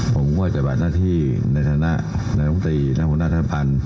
ผมว่าจะบัดหน้าที่ในธนาคมนักดังตรีในมนุษยธนทราบภัณฑ์